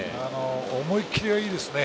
思い切りがいいですね。